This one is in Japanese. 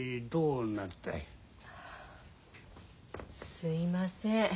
すいません